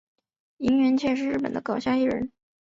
萤原彻是日本的搞笑艺人。